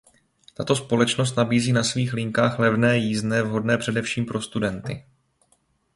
Tato společnost nabízí na svých linkách levné jízdné vhodné především pro studenty.